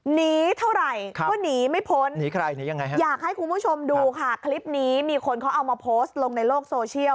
หนีเท่าไรก็หนีไม่พ้นอยากให้คุณผู้ชมดูค่ะคลิปนี้มีคนเขาเอามาโพสต์ลงในโลกโซเชียล